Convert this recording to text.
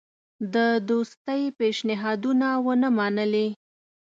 د دوستی پېشنهادونه ونه منلې.